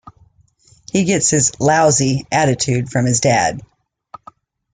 He gets his "lousy" attitude from his dad.